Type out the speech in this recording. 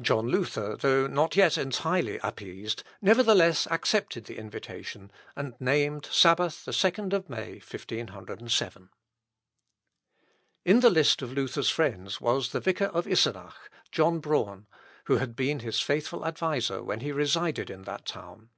John Luther, though not yet entirely appeased, nevertheless accepted the invitation, and named Sabbath the 2nd May, 1507. In the list of Luther's friends was the vicar of Isenach, John Braun, who had been his faithful adviser when he resided in that town.